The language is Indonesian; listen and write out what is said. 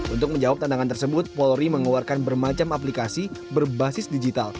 untuk menjawab tantangan tersebut polri mengeluarkan bermacam aplikasi berbasis digital